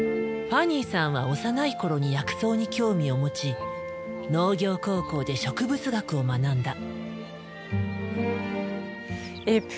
ファニーさんは幼い頃に薬草に興味を持ち農業高校で植物学を学んだ。